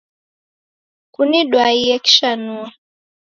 Kunidwaie kishanua